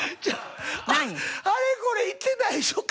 あれこれ言ってないでしょうが。